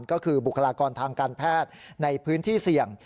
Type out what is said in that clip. ก็คือบุคลากรทางการแพทย์ในพื้นที่เสี่ยง